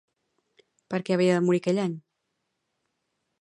Per què havia de morir aquell any?